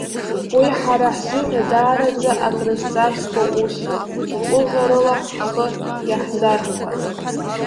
Уи ҳара ҳзыҳәа даараӡа акрызҵазкуа усуп, ҟәыӷарыла ҳхы иаҳзархәар.